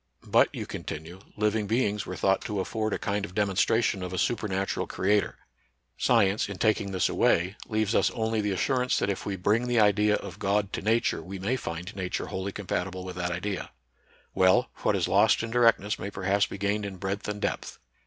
But, you continue, living beings were thought to afford a kind of demonstration of a supernatural creator. Science, in taking this NATURAL SCIENCE AND RELIGION. 69 away, leaves us only the assurance that if we bring the idea of God to Natiu e we may find Nature wholly compatible with that idea. Well, what is lost in directness may perhaps be gained in breadth and depth.